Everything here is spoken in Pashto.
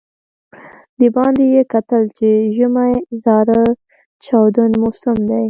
د باندې یې کتل چې ژمی زاره چاودون موسم دی.